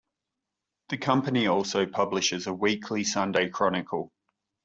The company also publishes a weekly Sunday Chronicle.